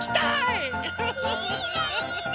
いいねいいね！